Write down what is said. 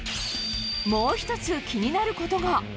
もう一つ、気になることが。